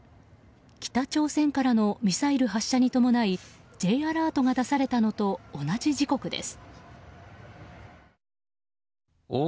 北朝鮮からのミサイル発射に伴いＪアラートが出されたのと同じ時刻です。